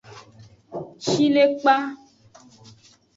Shilekpa.